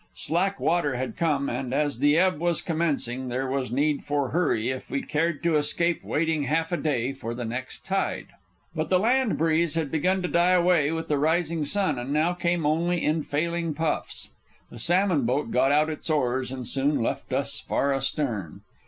Slack water had come, and, as the ebb was commencing, there was need for hurry if we cared to escape waiting half a day for the next tide. But the land breeze had begun to die away with the rising sun, and now came only in failing puffs. The salmon boat got out its oars and soon left us far astern.